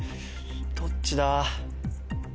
どっちだ？